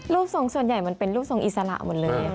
ทรงส่วนใหญ่มันเป็นรูปทรงอิสระหมดเลย